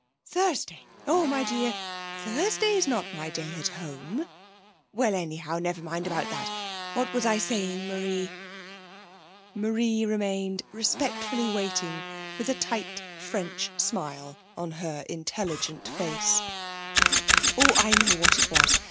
'Thursday! Oh, my dear. Thursday's not my day at home. Well, anyhow, never mind about that. What was I saying, Marie?' Marie remained respectfully waiting, with a tight French smile on her intelligent face. 'Oh, I know what it was.